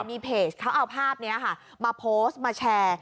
มีเพจเขาเอาภาพนี้ค่ะมาโพสต์มาแชร์